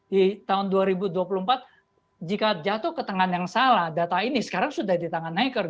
di tahun dua ribu dua puluh empat jika jatuh ke tangan yang salah data ini sekarang sudah di tangan hacker